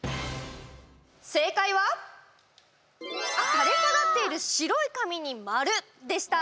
正解は、垂れ下がっている白い髪に丸でした。